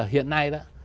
hiện nay đó